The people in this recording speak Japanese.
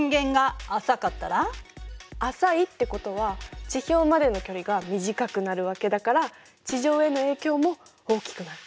浅いってことは地表までの距離が短くなるわけだから地上への影響も大きくなる。